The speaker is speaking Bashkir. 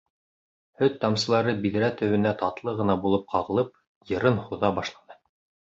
Һөт тамсылары биҙрә төбөнә татлы ғына булып ҡағылып, йырын һуҙа башланы.